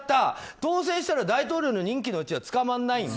当選したら大統領の任期のうちは捕まらないんだ。